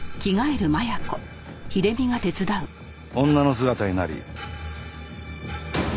女の姿になり。